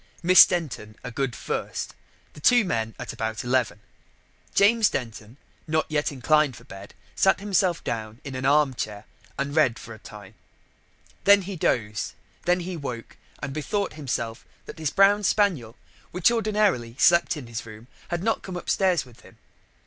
Miss Denton a good first, the two men at about eleven. James Denton, not yet inclined for bed, sat him down in an arm chair and read for a time. Then he dozed, and then he woke, and bethought himself that his brown spaniel, which ordinarily slept in his room, had not come upstairs with him.